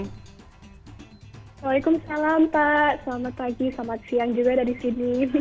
waalaikumsalam pak selamat pagi selamat siang juga dari sini